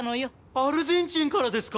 アルゼンチンからですか？